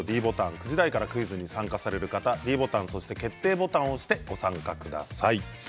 ９時台からクイズに参加される方はｄボタンそして決定ボタンを押して、ご参加ください。